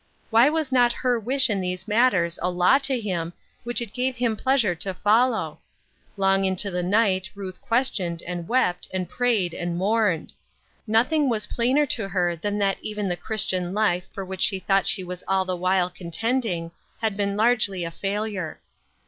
Why was not her wish in these matters a law to him, which it gave him pleasure to follow ? Long into the night Ruth questioned, and wept, and prayed and 132 " W. C. T. U 't mourned. Nothing was plainer to her than that even the Christian life for which she thought she was all the while contending, had been largely a failure.